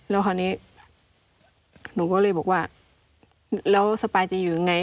แล้วคราวนี้หนูก็เลยบอกว่าแล้วสปายจะอยู่ยังไง